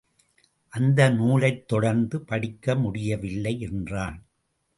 அந்த நூலைத் தொடர்ந்து படிக்க முடியவில்லை என்றான்.